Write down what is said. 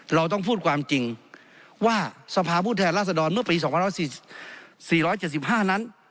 เราต้องพูดความจริงว่าสภาพผู้แทนราษฎรเมื่อปี๒๔๗๕นั้น